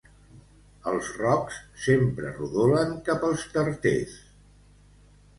Els rocs sempre rodolen cap als tarters.